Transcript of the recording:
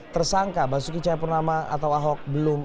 tersangka basuki cahayapurnama atau ahok belum